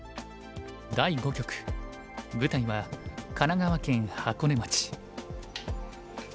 舞台は神奈川県箱根町。